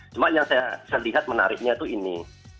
cuma yang saya lihat menariknya itu ini